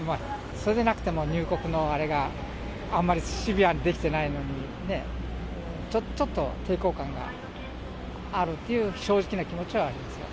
それでなくても入国のあれが、あんまりシビアにできてないのにねぇ、ちょっと抵抗感があるっていう正直な気持ちはありますよ。